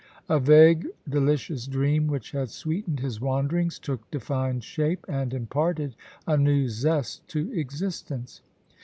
A vague, delicious dream, which had sweetened his wanderings, took defined shape, and imparted a new zest to existence.